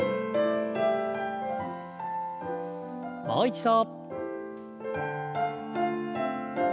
もう一度。